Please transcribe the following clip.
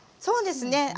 そうですね